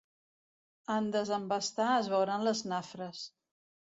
En desembastar es veuran les nafres.